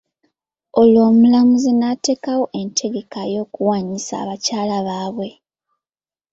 Olwo omulamuzi n'atekawo entegeka y'okuwanyisa abakyala baabwe.